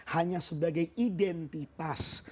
hanya sebagai identitas